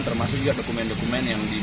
termasuk juga dokumen dokumen yang dibuat